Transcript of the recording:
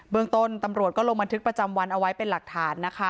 เมืองต้นตำรวจก็ลงบันทึกประจำวันเอาไว้เป็นหลักฐานนะคะ